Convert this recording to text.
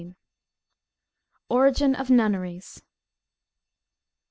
ORIGIN OF NUNNERIES.